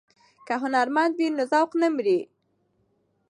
که هنرمند وي نو ذوق نه مري.